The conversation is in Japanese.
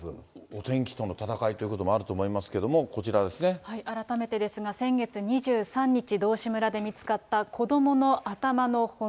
お天気との戦いということもあると思いますけれども、こちら改めてですが、先月２３日、道志村で見つかった子どもの頭の骨。